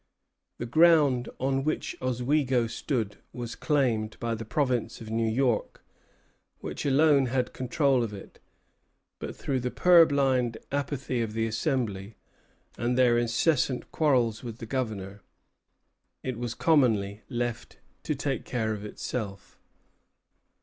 The ground on which Oswego stood was claimed by the Province of New York, which alone had control of it; but through the purblind apathy of the Assembly, and their incessant quarrels with the Governor, it was commonly left to take care of itself.